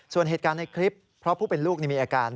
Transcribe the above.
ส่วนเหตุการณ์ในคลิปเพราะผู้เป็นลูกมีอาการ